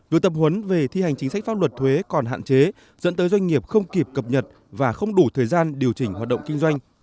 việc tập huấn về thi hành chính sách pháp luật thuế còn hạn chế dẫn tới doanh nghiệp không kịp cập nhật và không đủ thời gian điều chỉnh hoạt động kinh doanh